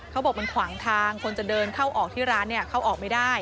เขาบอกมันขวางทางคนจะเดินเข้าออกที่ร้านเนี่ยเข้าออกไม่ได้